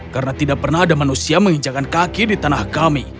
karena tidak pernah ada manusia menginjakan kaki di tanah kami